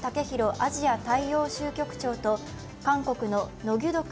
アジア大洋州局長と韓国のノ・ギュドク